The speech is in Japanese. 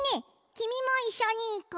きみもいっしょにいこう。